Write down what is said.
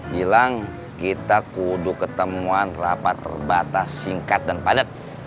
bilang kita kudu ketemuan rapat terbatas singkat dan padat